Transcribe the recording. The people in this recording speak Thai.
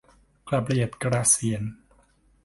กระเบียดกระเสียร